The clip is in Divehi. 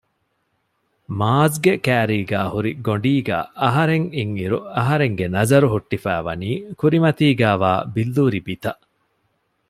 މާޒްގެ ކައިރީގައި ހުރި ގޮނޑީގައި އަހަރެން އިންއިރު އަހަރެންގެ ނަޒަރު ހުއްޓިފައިވަނީ ކުރިމަތީގައިވާ ބިއްލޫރި ބިތަށް